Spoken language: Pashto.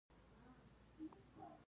موږ باید د مینې ژبه وکاروو.